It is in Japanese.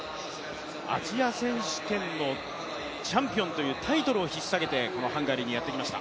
アジア選手権のチャンピオンというタイトルをひっ提げてこのハンガリーにやってきました。